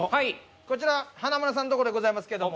こちら華丸さんのとこでございますけど。